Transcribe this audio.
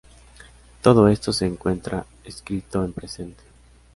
Todo esto se encuentra escrito en presente.